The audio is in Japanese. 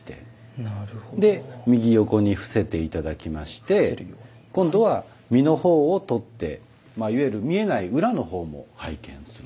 で右横に伏せて頂きまして今度は身の方を取っていわゆる見えない裏の方も拝見するということですね。